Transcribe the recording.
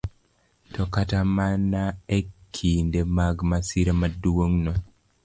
To kata mana e kinde mag masira maduong'no,